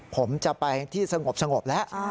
ผมจะไปที่สงบแล้ว